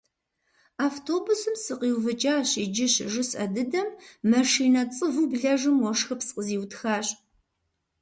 Автобусым сыкъиувыкӏащ иджы щыжысӏэ дыдэм машинэ цӏыву блэжым уэшхыпс къызиутхащ.